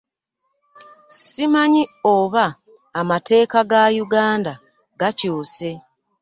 Ssimanyi oba amateeka ga Yuganda gaakyuse.